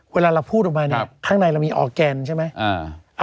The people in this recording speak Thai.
เวลาเราพูดออกมาเนี่ยข้างในเรามีออร์แกนใช่ไหม